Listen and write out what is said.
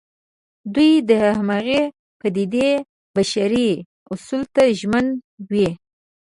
دوی د همغې پدېدې بشري اصل ته ژمن وي.